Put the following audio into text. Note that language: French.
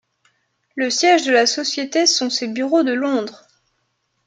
Le siège de la société sont ses bureaux de Londres.